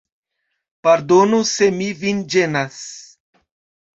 Pardonu se mi vin ĝenas.